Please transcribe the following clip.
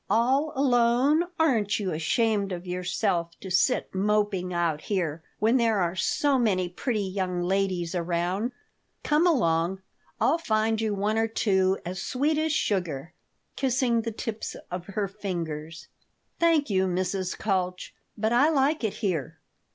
"All alone? Aren't you ashamed of yourself to sit moping out here, when there are so many pretty young ladies around? Come along; I'll find you one or two as sweet as sugar," kissing the tips of her fingers "Thank you, Mrs. Kalch, but I like it here."